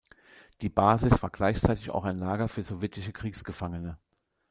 Die Basis war gleichzeitig auch ein Lager für sowjetische Kriegsgefangene.